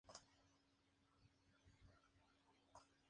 Título de Reina del Encuentro Glorioso y Ángel de la Resurrección.